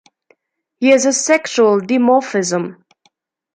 He has a sexual dimorphism.